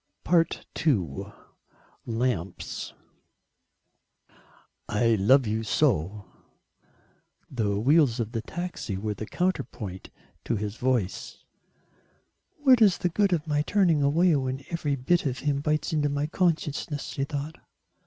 II: LAMPS "I love you so." The wheels of the taxi were the counterpoint to his voice. "What is the good of my turning away when every bit of him bites into my consciousness?" she thought.